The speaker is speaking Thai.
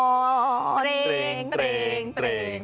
เตรงเตรงเตรงเตรง